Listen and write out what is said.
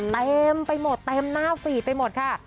เต็มไปหมดเต็มหน้าฟีดไปหมดค่ะ